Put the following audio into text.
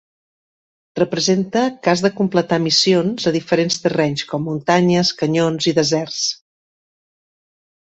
Representa què has de completar missions a diferents terrenys com muntanyes, canyons, i deserts.